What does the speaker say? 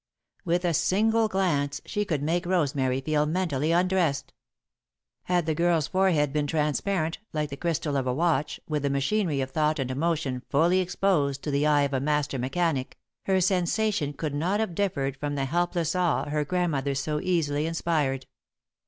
With a single glance, she could make Rosemary feel mentally undressed. Had the girl's forehead been transparent, like the crystal of a watch, with the machinery of thought and emotion fully exposed to the eye of a master mechanic, her sensation could not have differed from the helpless awe her grandmother so easily inspired.